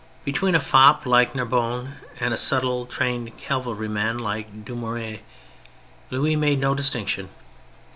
Between a fop Hke Narbonne and a subtle, trained cavalrv man like Dumouriez, Louis made no distinction.